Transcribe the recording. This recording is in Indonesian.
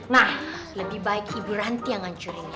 nah lebih baik ibu ranti yang ngancurin